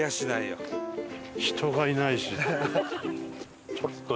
人がいないし。